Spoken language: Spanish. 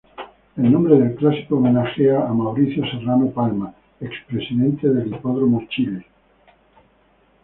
El Nombre del Clásico Homenajea a Mauricio Serrano Palma, expresidente del Hipódromo Chile.